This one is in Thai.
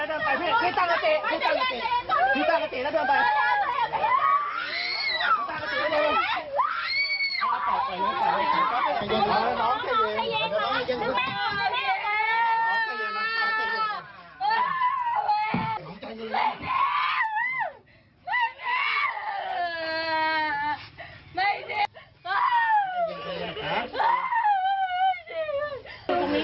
โอ้โหนี่ค่ะทั้งพ่อทั้งแม่คือแบบ